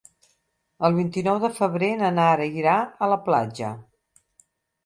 El vint-i-nou de febrer na Nara irà a la platja.